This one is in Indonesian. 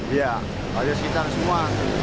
iya warga sekitar semua